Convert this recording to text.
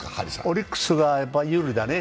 オリックスが有利だね。